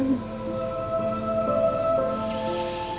aku gak mau masuk